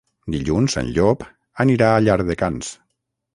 Dilluns en Llop anirà a Llardecans.